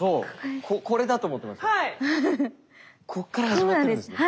ここから始まってるんですね。